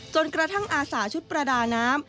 กระทั่งอาสาชุดประดาน้ำ